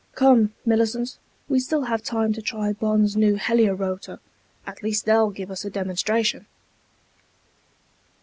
Come, Millicent, we still have time to try Bonn's new Helio rotor. At least they'll give us a demonstration."